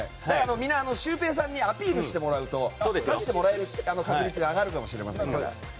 みんな、シュウペイさんにアピールしてもらうと指してもらえる確率が上がるかもしれないですよ。